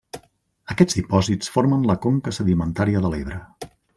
Aquests dipòsits formen la conca sedimentària de l'Ebre.